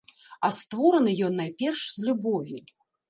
А створаны ён найперш з любові.